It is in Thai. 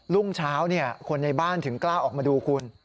รุ่งเช้าคนในบ้านถึงกล้าออกมาดูคุณ